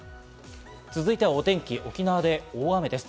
続いてはお天気、沖縄で大雨です。